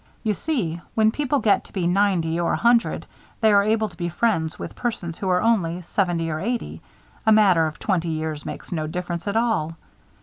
You see, when people get to be ninety or a hundred, they are able to be friends with persons who are only seventy or eighty a matter of twenty years makes no difference at all.